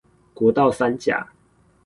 國道三甲